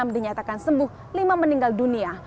empat puluh enam dinyatakan sembuh lima meninggal dunia